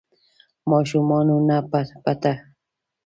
ماشومانو نه په پټه